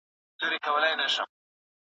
استاد شاګرد ته د موضوع په اړه نوې تګلارې وښودې.